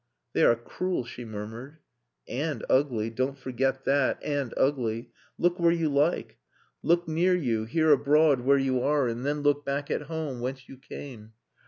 "They are cruel," she murmured. "And ugly. Don't forget that and ugly. Look where you like. Look near you, here abroad where you are, and then look back at home, whence you came."